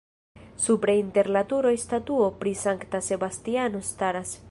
Supre inter la turoj statuo pri Sankta Sebastiano staras.